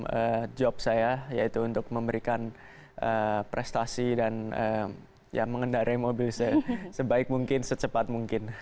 pekerjaan saya yaitu untuk memberikan prestasi dan mengendarai mobil sebaik mungkin secepat mungkin